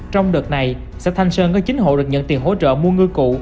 trong đợt này xã thanh sơn có chín hộ được nhận tiền hỗ trợ mua ngư cụ